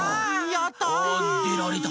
やった！